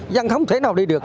dân không thể nào đi được